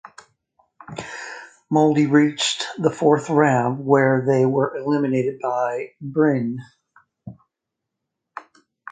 Molde reached the fourth round where they were eliminated by Bryne.